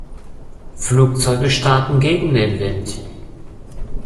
Flugzeuge starten gegen den Wind.